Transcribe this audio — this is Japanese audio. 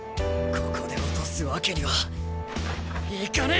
ここで落とすわけにはいかねえ！